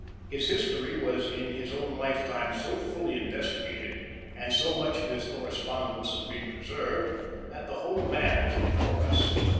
His history was in his own lifetime so fully investigated, and so much of his correspondence has been preserved, that the whole man is before us.